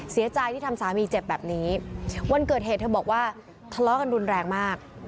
เสียใจที่ทำสามีเจ็บแบบนี้วันเกิดเหตุเธอบอกว่าทะเลาะกันรุนแรงมาก